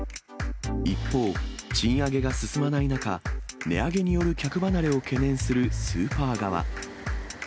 一方、賃上げが進まない中、値上げによる客離れを懸念するスーパー側。